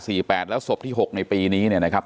เป็นวันที่๑๕ธนวาคมแต่คุณผู้ชมค่ะกลายเป็นวันที่๑๕ธนวาคม